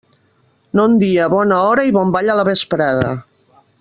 Non dia, bona hora i bon ball a la vesprada.